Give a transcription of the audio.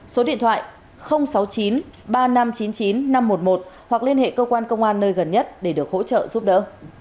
số điện thoại sáu mươi chín ba nghìn năm trăm chín mươi chín năm trăm một mươi một hoặc liên hệ cơ quan công an nơi gần nhất để được hỗ trợ giúp đỡ